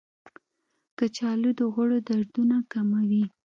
کچالو د غړو دردونه کموي.